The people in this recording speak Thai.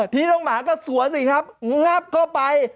พี่น้องหมาก็สวนสิครับงับเข้าไป